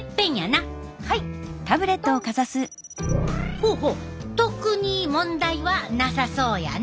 ほうほう特に問題はなさそうやね。